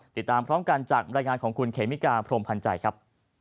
ติดตามพร้อมกันจากบรรยายงานของคุณเขมิกาพรมพันธ์ใจครับ